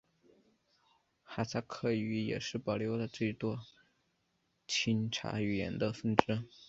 哈萨克语也是保留了最多钦察语言的分支。